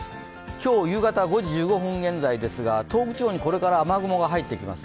今日夕方５時１５分現在ですが東北地方にこれから雨雲が入ってきます。